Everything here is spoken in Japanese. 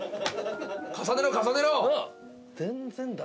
重ねろ重ねろ！